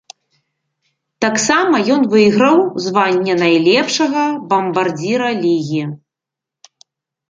Таксама ён выйграў званне найлепшага бамбардзіра лігі.